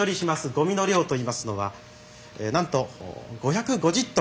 ゴミの量といいますのはなんと５５０トン。